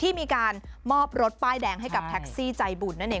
ที่มีการมอบรถป้ายแดงให้กับแท็กซี่ใจบุญนั่นเอง